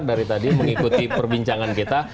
dari tadi mengikuti perbincangan kita